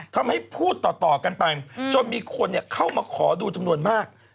พูดต่อกันไปจนมีคนเข้ามาขอดูจำนวนมาก